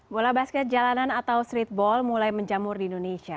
bola basket jalanan atau streetball mulai menjamur di indonesia